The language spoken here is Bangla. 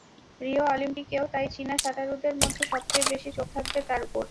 রিও অলিম্পিকেও তাই চীনা সাঁতারুদের মধ্যে সবচেয়ে বেশি চোখ থাকবে তাঁর ওপর।